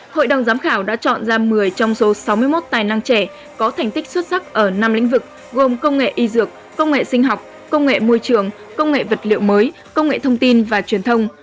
hội đồng giám khảo đã chọn ra một mươi trong số sáu mươi một tài năng trẻ có thành tích xuất sắc ở năm lĩnh vực gồm công nghệ y dược công nghệ sinh học công nghệ môi trường công nghệ vật liệu mới công nghệ thông tin và truyền thông